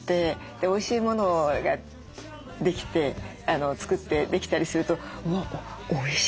おいしいものができて作ってできたりするとうわおいしいじゃんって。